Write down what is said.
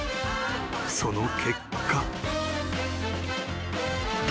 ［その結果］